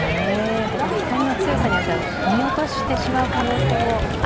光の強さによっては、見落としてしまう可能性もありそう。